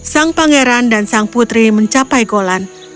sang pangeran dan sang putri mencapai golan